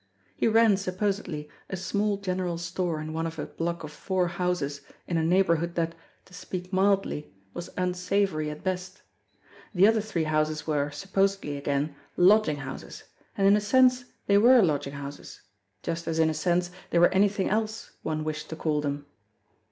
He ran, supposedly, a small general store in one of a block of four houses in a neighbourhood that, to speak mildly, was unsavory at best. The other three houses were, supposedly again, lodging houses, and in a sense they were lodging houses, just as in a sense they were anything else one wished to call them.